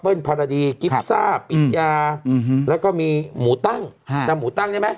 เปิ้ลพาราดีกิฟท์ซาบอิตยาแล้วก็มีหมูตั้งจำหมูตั้งใช่ไหม